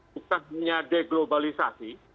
bukan hanya deglobalisasi